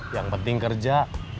yang penting kerja